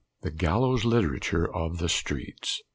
THE "GALLOWS" LITERATURE OF THE STREETS.